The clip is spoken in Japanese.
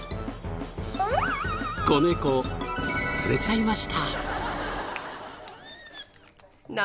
子猫釣れちゃいました！